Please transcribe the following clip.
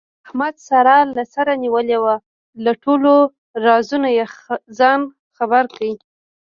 احمد ساره له سره نیولې وه، له ټولو رازونو یې ځان خبر کړ.